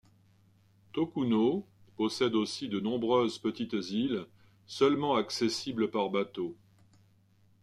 Tokuno possède aussi de nombreuses petites îles seulement accessible par bateau.